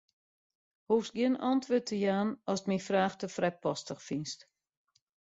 Hoechst gjin antwurd te jaan ast myn fraach te frijpostich fynst.